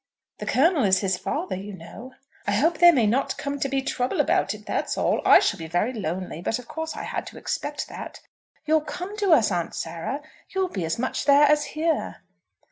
"The Colonel is his father, you know." "I hope there may not come to be trouble about it, that's all. I shall be very lonely, but of course I had to expect that." "You'll come to us, Aunt Sarah? You'll be as much there as here."